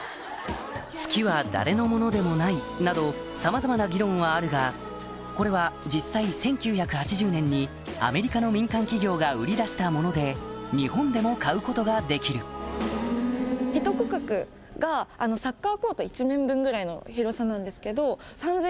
「月は誰のものでもない」などさまざまな議論はあるがこれは実際１９８０年にアメリカの民間企業が売り出したもので日本でも買うことができるなんですけど。